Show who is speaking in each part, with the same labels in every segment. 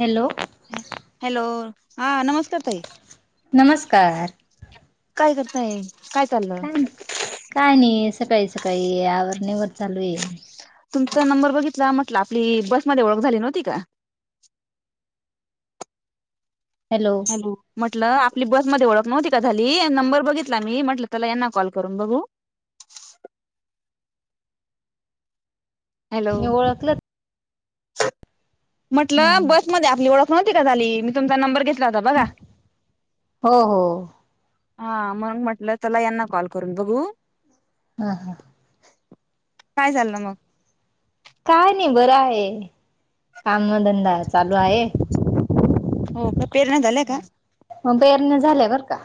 Speaker 1: Hello
Speaker 2: hello हा नमस्कार ताई.
Speaker 1: नमस्कार.
Speaker 2: काय करताय?
Speaker 1: काय नाही काय नाही सकाळी, सकाळी आवरणीवर चालू आहे.
Speaker 2: तुमचा नंबर बघितला म्हटलं आपली बसमध्ये ओळख झाली नव्हती का?
Speaker 1: हॅलो.
Speaker 2: म्हटलं आपली बसमध्येओळख नव्हती का झाली, नंबर बघितला मी म्हटलं त्याला यांना कॉल करून बघू‌. हॅलो.
Speaker 1: मी ओळखलं
Speaker 2: म्हटलं
Speaker 1: हम्म
Speaker 2: बस मध्ये आपली ओळख नव्हती का? झाली मी तुमचा नंबर घेत लाता बघा.
Speaker 1: हो हो
Speaker 2: हा म्हणून म्हटलं त्याला यांना कॉल करून बघू.
Speaker 1: हा हा.
Speaker 2: काय चाललं मग?
Speaker 1: काय नाही बरं आहे काम धंदा चालू आहे.
Speaker 2: हो का पेरण्या झाल्या का?
Speaker 1: म पेरन्या झाल्या बर का.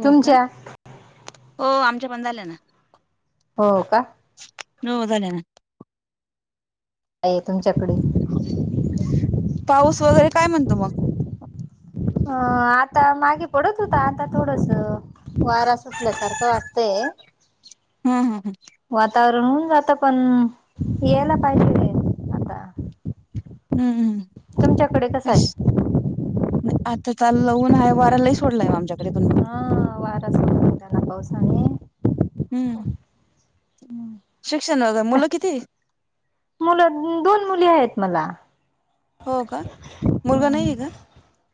Speaker 2: हो का
Speaker 1: तुमच्या
Speaker 2: हो आमच्या पण झाल्या ना.
Speaker 1: हो का.
Speaker 2: नऊजनी ना.
Speaker 1: तुमच्याकडे.
Speaker 2: पाऊस वगैरे काय म्हणतो मग?
Speaker 1: अ -आता मागे पडत होता आता थोडस वारा सुटल्या सारखं वाटतय
Speaker 2: हम्म हम्म
Speaker 1: वातावरण होऊन जाता पण यायला पाहिजे. आता
Speaker 2: हम्म.
Speaker 1: तुमच्याकडे कसं
Speaker 2: हम्म
Speaker 1: आहे?
Speaker 2: आता चालल उन आहे वारा लई सोडलाय आमच्याकडे पण मग.
Speaker 1: हा वारा अस होताना पावसाने
Speaker 2: हम्म.
Speaker 1: हम्.
Speaker 2: शिक्षण वगैरे मुलं किती?
Speaker 1: मुलं दोन मुली आहेत मला.
Speaker 2: हो का मुलगा
Speaker 1: हम्म
Speaker 2: नाहीये का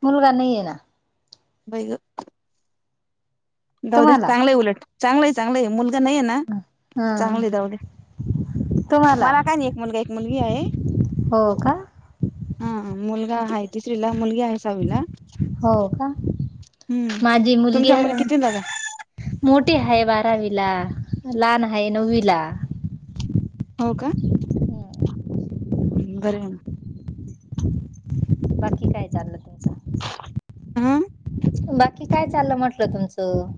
Speaker 1: मुलगा नाहीये ना
Speaker 2: बाई गं? जाऊद्या
Speaker 1: तुम्हाला
Speaker 2: चांगलंय हाय उलट चांगलंय हाय चांगलंय हाय मुल नाही ना
Speaker 1: हा
Speaker 2: चांगली जाऊ दे
Speaker 1: तुम्हाला
Speaker 2: मला काय नाही एक मुलगा, एक मुलगी आहे.
Speaker 1: हो का?
Speaker 2: हा मुलगा आहे तीसरीला मुलगी आहे सहावीला.
Speaker 1: हो का
Speaker 2: हम्म.
Speaker 1: माझी मुलगी
Speaker 2: तुमच्या मुली कितवीला ग?
Speaker 1: मोठी आहे बारावी ला, लहान आहे नववी ला.
Speaker 2: हो का.
Speaker 1: हम्म
Speaker 2: हम्म बरं.
Speaker 1: बाकी काय चाललं तुमचं?
Speaker 2: हा.
Speaker 1: बाकी काय चाललं म्हटलं तुमचं?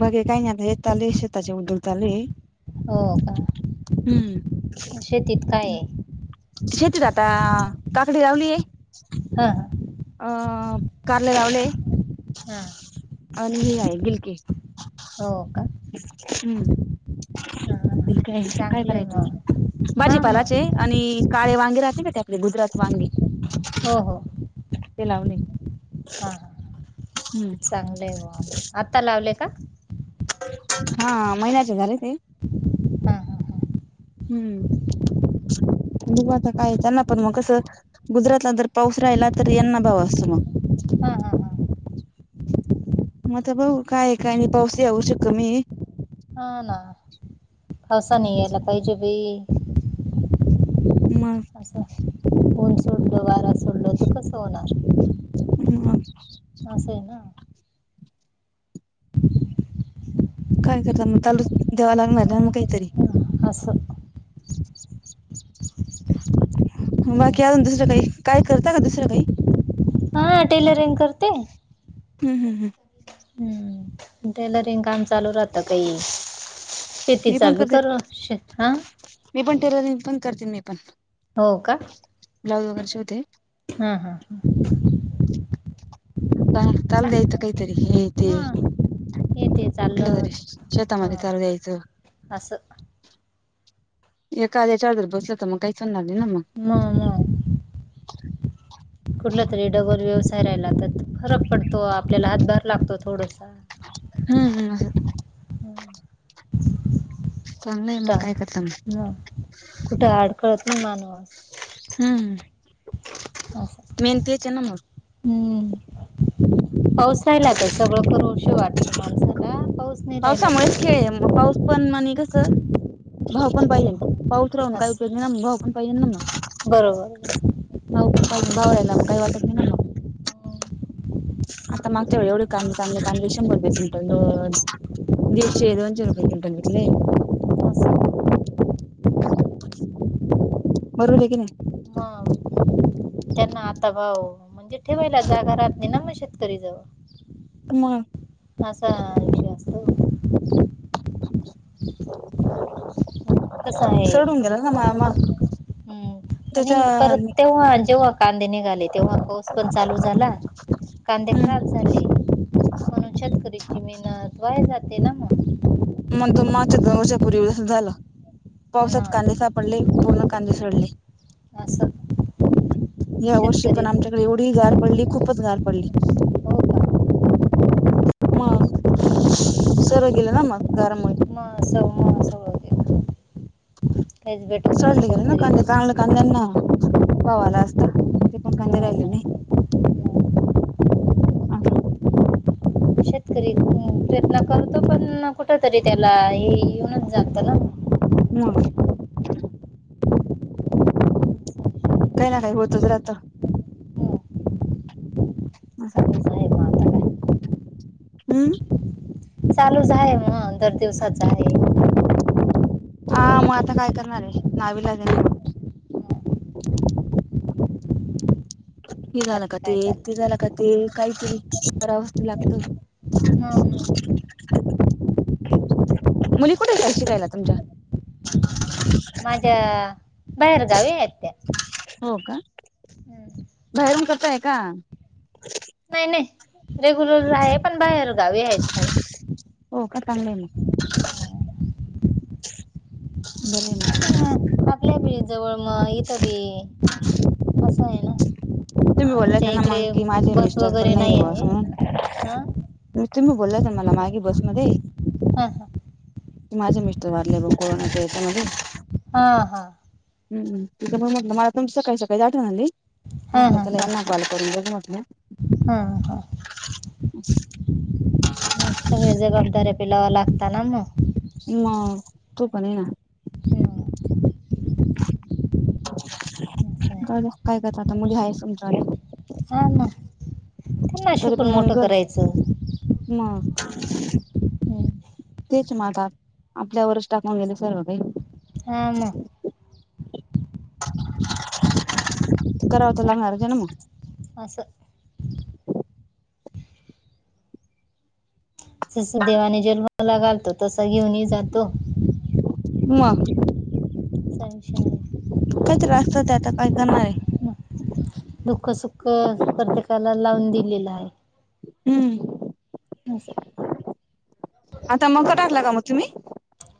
Speaker 2: बाकी काही नाही हेच चालू हे शेताचे उद्योग चालू आहे.
Speaker 1: हो का
Speaker 2: हम्म
Speaker 1: म शेतीत काय आहे?
Speaker 2: शेतीत आता काकडी लावली आहे.
Speaker 1: हा हा.
Speaker 2: अ कारले लावले
Speaker 1: हा.
Speaker 2: आणि हे आहे गिलंकी.
Speaker 1: हो का.
Speaker 2: हम्म
Speaker 1: हा
Speaker 2: काय काय
Speaker 1: चांगलं आहे
Speaker 2: करायचं म
Speaker 1: मग हा
Speaker 2: भाजीपालाचे
Speaker 1: मग
Speaker 2: आणि काळे वांगे राहते का ते आपले गुजरात वांगी
Speaker 1: हो हो.
Speaker 2: ते लावले हम्म.
Speaker 1: चांगलंय [unintelligible] आता लावले का?
Speaker 2: हा महिन्याचे झाले ते
Speaker 1: हां हां
Speaker 2: हम्म. बघू आता काय त्यांना पण मग कसं गुजरातला जर पाऊस राहिला तर यांना भाव असतो मग.
Speaker 1: हां हां हां हां
Speaker 2: म आता बघु काय काय पाऊस या वर्षी कमी आहे.
Speaker 1: हा ना. खसा नाही यायला पाहिजे बी.
Speaker 2: मग
Speaker 1: असं ऊन सोडलं वारा सोडलं तर कसं होणार?
Speaker 2: मग
Speaker 1: असं आहे ना.
Speaker 2: काय करता म तालूच ठेवा लागणार ना म काहीतरी.
Speaker 1: असं.
Speaker 2: [unintelligible]
Speaker 1: हं.
Speaker 2: बाकी अजून दुसरं काही काय करता का दुसरं काही?
Speaker 1: हा टेलरिंग करते.
Speaker 2: हम्म हम्म हम्म.
Speaker 1: हम्म. टेलरिंग काम चालू राहतं काही
Speaker 2: मी
Speaker 1: शेतीचा
Speaker 2: पण
Speaker 1: बी
Speaker 2: करते
Speaker 1: करू शे हा.
Speaker 2: मी पण टेलरिंग पण करते मी पण.
Speaker 1: हो का
Speaker 2: ब्लाउज वगैरे शिवते
Speaker 1: हा हा हा.
Speaker 2: का द्यात आयता कायतरी हे ते
Speaker 1: हां येते
Speaker 2: कुठलं
Speaker 1: चाललं
Speaker 2: तरी शेतामध्ये
Speaker 1: हां
Speaker 2: चालू द्यायचं..
Speaker 1: असं
Speaker 2: एका याच्या वदर बसले तर मग काही चोनणार नाही ना मग.
Speaker 1: म म. कुठला तरी डबल व्यवसाय राहिला तर फरक पडतो आपल्याला हातभार लागतो थोडसा.
Speaker 2: हम्म हम्म मजेत.
Speaker 1: हम्म.
Speaker 2: चांगलंय मग
Speaker 1: कुठं
Speaker 2: काय करता म.
Speaker 1: न. कुठं अडकळत नाही माणूस
Speaker 2: हम्म
Speaker 1: असं
Speaker 2: मेन तेच हाय ना मग.
Speaker 1: हम्म पाऊस राहीला आता सगळं करुशी वाटत माणसाला पाऊस नाही राहिला
Speaker 2: पावसामुळेच खेळ
Speaker 1: तर
Speaker 2: आहे मग पाऊस पण माने कसं भाव पण पाहिजे म. पाऊस राहून काही उपयोग
Speaker 1: असं
Speaker 2: नाही ना मग भाऊ पण पाहिजेल ना मग.
Speaker 1: बरोबर
Speaker 2: भाव पण पाहिजे भाव राहिला म काय वाटत नाही ना म.
Speaker 1: हम्म.
Speaker 2: आता मागच्यावेळी एवढे कांदे चांगले कांदे शंभर रुपये क्विंटल दर, दीडशे, दोनशे रुपये क्विंटल घेतले.
Speaker 1: असं
Speaker 2: बरोबर आहे की नाही [inaudible]
Speaker 1: मग त्यांना आता भाव म्हणजे ठेवायला जागा राहत नाही ना मग शेतकरी जवळ
Speaker 2: मग.
Speaker 1: असा विषय असतो. कसं आहे
Speaker 2: सोडून गेलं ना मा म
Speaker 1: हम्म आणि परत तेव्हा जेव्हा कांदे निघाले तेव्हा पाऊस पण चालू झाला. कांदे
Speaker 2: हम्म
Speaker 1: खराब झाले. म्हणून शेतकरीची मेहनत वाया जाते ना मग.
Speaker 2: मग तु मागच्या दोन वर्षापूर्वी झालं पावसात
Speaker 1: मग
Speaker 2: कांदे सापडले. पूर्ण कांदे सडले.
Speaker 1: असं.
Speaker 2: या वर्षी
Speaker 1: शेतकरी
Speaker 2: पण
Speaker 1: हो
Speaker 2: आमच्याकडे एवढी गार पडली, खूपच गार पडली.
Speaker 1: का
Speaker 2: मग सरु गेले ना मग, गरम.
Speaker 1: [inaudible] कायच भेट.
Speaker 2: सडले गेले ना कांदे, चांगल्या कांंद्याना. भाव आला असता ते पण कांदे राहिले नाही.
Speaker 1: मग [inaudible] प्रयत्न करतो पण कुठ तरी त्याला हे येऊनच जात ना.
Speaker 2: मग.
Speaker 1: चालूच
Speaker 2: काही ना काही होतच राहतं.
Speaker 1: आहे मग आता काय
Speaker 2: हम्म
Speaker 1: चालूच आहे मग दर दिवसाच आहे.
Speaker 2: हा मग आता काय करणार आहे नावीलाज आहे ना. ते झालं
Speaker 1: बाकी
Speaker 2: का ते,
Speaker 1: काय
Speaker 2: ते
Speaker 1: चाललं
Speaker 2: झाल का ते. ते काहीतरी करावंच लागतंय.
Speaker 1: हम्म.
Speaker 2: मुली कुठेता शिकायला तुमच्या?
Speaker 1: माझ्या बाहेरगावी आहेत त्या,
Speaker 2: हो का
Speaker 1: हम्म.
Speaker 2: बाहेरून करताय का?
Speaker 1: नाही नाही रेग्युलर आहे पण बाहेर गावी आहेत शाळा.
Speaker 2: हो का चांगल आहे मग.
Speaker 1: हम्म. ते
Speaker 2: [inaudible]
Speaker 1: आपल्या बी जवळ मग इथं बी असं आहे ना.
Speaker 2: तुम्ही बोलला
Speaker 1: आमच्या
Speaker 2: त्यांना मग
Speaker 1: इकडे
Speaker 2: की माझे
Speaker 1: बस
Speaker 2: मिस्टर पण
Speaker 1: वगैरे
Speaker 2: नाही आहे ब असं म्हणून
Speaker 1: हां
Speaker 2: तुम्ही बोलला होता मला मागे बसमध्ये.
Speaker 1: हा हा.
Speaker 2: माझे मिस्टर वारले ब कोरोनाच्या यांच्यामध्ये.
Speaker 1: हा हा.
Speaker 2: हम्म तिथं पण म्हटलं मला तुमची सकाळी सकाळी आठवण आली.
Speaker 1: हां
Speaker 2: म्हटलं
Speaker 1: हां
Speaker 2: तेला न कॉल करून बघु म्हटलं.
Speaker 1: हां हां मग सगळे जबाबदारी पेलावा लागताना मग.
Speaker 2: मग तू पन ये ना.
Speaker 1: [inaudible] असं आहे
Speaker 2: जाऊदया काय करता आता, मुली हाय समजवायला.
Speaker 1: हा ना, त्यांना शिकून मोठं करायचं.
Speaker 2: म,
Speaker 1: हम्म.
Speaker 2: तेच ना आता, आपल्यावरच टाकून गेले सर्व
Speaker 1: हा मग
Speaker 2: काही. करावं तर
Speaker 1: चालेल
Speaker 2: लागणार का ना मग.
Speaker 1: असं, जस देवाने जन्माला घालतो, तसा घेऊन ही जातो.
Speaker 2: मग,
Speaker 1: मशऽ [unintelligible]
Speaker 2: काही तरी आसतं ते, आता काय करणार आहे.
Speaker 1: नाही. दुःख -सुख, प्रत्येकाला लावून दिलेलं हाय.
Speaker 2: हम्म,
Speaker 1: असं,
Speaker 2: आता मका टाकला का मग तुम्ही?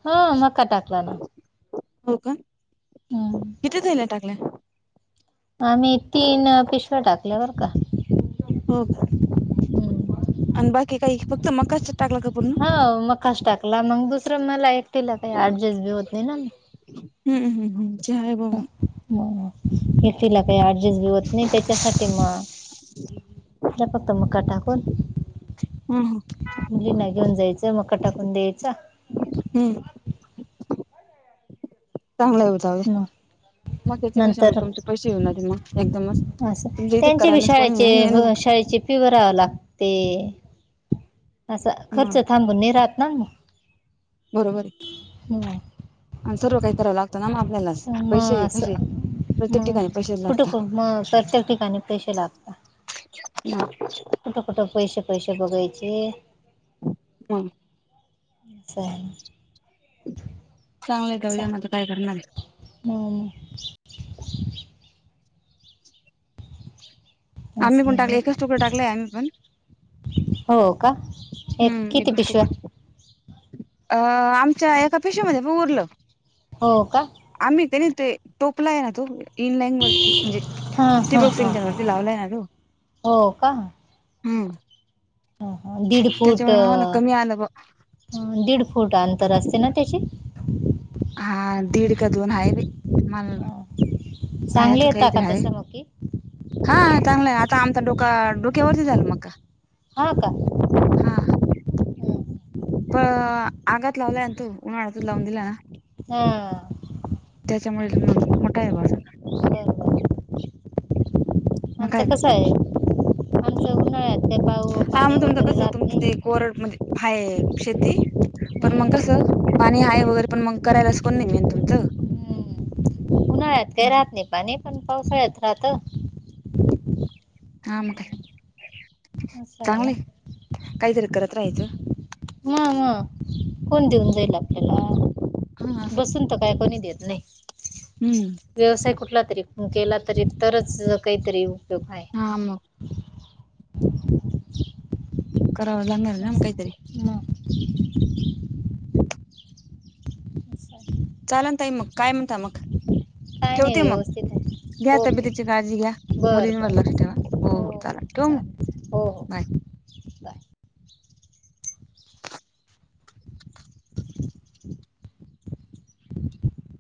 Speaker 1: हो, मक्का टाकला ना.
Speaker 2: हो का,
Speaker 1: हम्म.
Speaker 2: किती थैल्या टाकल्या?
Speaker 1: आम्ही तीन अं पिशव्या टाकल्या बर का.
Speaker 2: हो का,
Speaker 1: हम्म.
Speaker 2: आणि बाकी काही, फक्त मकाच टाकला का पूर्ण?
Speaker 1: हा, मक्काच टाकला, मंग दुसरं मला एकटीला काही ऍडजस्ट बी होत नाही ना.
Speaker 2: हम्म, हम्, हम्, ते हाय बाबा.
Speaker 1: हं एकटिला काही ऍडजस्ट बी होत नाही, त्याच्यासाठी म दिला फक्त मक्का टाकून.
Speaker 2: हम्,
Speaker 1: मुलींना घेऊन जायचं, मका टाकून द्यायचा.
Speaker 2: हम्म, चांगला हो जाऊदे
Speaker 1: मग
Speaker 2: मक्याचे कशे मग
Speaker 1: नंतर
Speaker 2: तुमचे पैशे येऊन जातील ना, एकदमच.
Speaker 1: असं,
Speaker 2: तुमच्या इथे
Speaker 1: त्यांचे बी
Speaker 2: करायलाच कोणी
Speaker 1: शाळेचे,
Speaker 2: नाही मेन
Speaker 1: हो
Speaker 2: मग
Speaker 1: शाळेची फि भरावी लागते. असा, खर्च
Speaker 2: मग
Speaker 1: थांबून नाही राहत ना.
Speaker 2: बरोबर ये
Speaker 1: हं.
Speaker 2: आणि सर्व काही कराव लागतं ना आपल्यालाच
Speaker 1: समा
Speaker 2: पैसे
Speaker 1: स
Speaker 2: कसे प्रत्येक ठिकाणी
Speaker 1: मग
Speaker 2: पैसेच
Speaker 1: कुठे,
Speaker 2: लागतात
Speaker 1: कुठ मग, प्रत्येक ठिकाणी पैशे लागतात.
Speaker 2: [inaudible]
Speaker 1: कुठं -कुठं पैसे पैसे बघायचे?
Speaker 2: मग
Speaker 1: चालंल,
Speaker 2: [unintelligible] चांगलं आहेेत, ऊद्या माझं काय करणार?
Speaker 1: हम्,
Speaker 2: आम्ही
Speaker 1: असं
Speaker 2: पण टकले,
Speaker 1: आहे
Speaker 2: एकच तुकडे टाकलेय आम्हि पण.
Speaker 1: हो का, एक, किती पिशव्या?
Speaker 2: अं आमच्या एका पिशव्या मध्ये पण उरलं,
Speaker 1: हो का?
Speaker 2: आम्ही त्यानी ते, [unintelligible] आहे ना तो. इनलाईन वरती, म्हणजे
Speaker 1: हां हां
Speaker 2: टीबक
Speaker 1: हां
Speaker 2: सिंचन
Speaker 1: हां
Speaker 2: वरती लावला आहे ना तो
Speaker 1: हो
Speaker 2: हम्म,
Speaker 1: ह हा, दीड
Speaker 2: त्याच्यामुळे आम्हाला
Speaker 1: फुटं
Speaker 2: कमी आलं ब
Speaker 1: दीड फूट अंतर असते ना त्याचे.
Speaker 2: हा, दीड का दोन हाये बाई, मला
Speaker 1: हां.
Speaker 2: हाये
Speaker 1: चांगले
Speaker 2: आता काही
Speaker 1: येतात का
Speaker 2: तरी हाये.
Speaker 1: तसं मग की
Speaker 2: हा, चांगला हे, आता आमचा डोका, डोक्यावरती झाला मका.
Speaker 1: हां, का?
Speaker 2: हा
Speaker 1: हं.
Speaker 2: तो आगात लावलाय ना तु, उन्हाळ्यातचं लावून दिला ना.
Speaker 1: हम्म
Speaker 2: त्याच्यामुळेचं मग मोठा हे बा आस
Speaker 1: बरोबर
Speaker 2: मग काय
Speaker 1: आमचं कस
Speaker 2: करता
Speaker 1: आहे,
Speaker 2: मग
Speaker 1: आमचं उन्हाळ्यात का पाऊ
Speaker 2: हा
Speaker 1: पाणी
Speaker 2: मग तुमचं
Speaker 1: वगैरे
Speaker 2: कसं
Speaker 1: रहातं
Speaker 2: तुमचं
Speaker 1: नाही.
Speaker 2: ते कोरड म्हणजे हाय शेती. पण मग
Speaker 1: हम्म.
Speaker 2: कसं, पाणी आहे वगैरे पण मग करायलाच कोण नाही मेन तुमचं.
Speaker 1: हम्म. उन्हाळ्यात काय राहत नाही पाणी, पण पावसाळ्यात राहत.
Speaker 2: हा मग काय
Speaker 1: असं आहे ना
Speaker 2: चांगलंय, काहीतरी करत राहायचं.
Speaker 1: हा म कोण देऊन जाईल आपल्याला?
Speaker 2: हा असं
Speaker 1: बसून त काय कोणी देत नही.
Speaker 2: हम्म
Speaker 1: व्यवसाय कुठला तरी केला, तरी तरच काहीतरी उपयोग हाय.
Speaker 2: हा... मग!
Speaker 1: [unintelligible]
Speaker 2: करावं लागणार हे ना मग
Speaker 1: असं.
Speaker 2: काही तरी?
Speaker 1: मग असं आहे.
Speaker 2: चालन ताई मग, काय
Speaker 1: बरं.
Speaker 2: म्हणता मग,
Speaker 1: काय नाही
Speaker 2: ठेवते मग
Speaker 1: व्यवस्थित आहे
Speaker 2: घ्या तबी
Speaker 1: ओके
Speaker 2: तब्येतीची काळजी घ्या मुलीं
Speaker 1: बरं
Speaker 2: वर लक्ष ठेवा.
Speaker 1: बरं
Speaker 2: हो हो! चला ठेवू मग?
Speaker 1: चालेल हो हो.
Speaker 2: Bye
Speaker 1: bye [unintelligible]